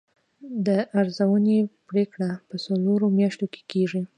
د ارزونې پریکړه په څلورو میاشتو کې کیږي.